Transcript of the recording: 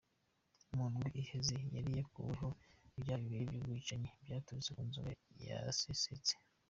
Mu ndwi iheze yari yakuweko ivyaha bibiri vy'ubwicanyi bwaturutse ku nzoga yasesetse.